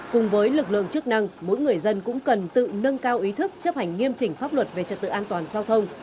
cùng với lực lượng chức năng mỗi người dân cũng cần tự nâng cao ý thức chấp hành nghiêm chỉnh pháp luật về trật tự an toàn giao thông